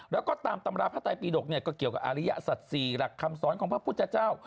แล้วก็ตามตำราพระไตปีดกเนี่ยก็เกี่ยวกับอาริยสัตว์๔หลักคำสอนของพระพุทธเจ้า